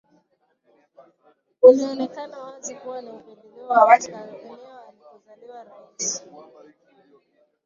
ulioonekana wazi kuwa ni upendeleo wa wazi kwa eneo alikozaliwa Rais